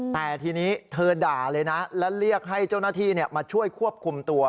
แต่ทีนี้เธอด่าเลยนะและเรียกให้เจ้าหน้าที่มาช่วยควบคุมตัว